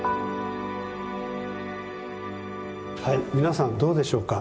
はい皆さんどうでしょうか？